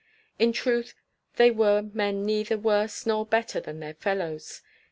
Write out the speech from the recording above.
In truth they were men neither worse nor better than their fellows.